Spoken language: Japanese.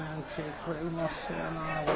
これうまそうやなこれ。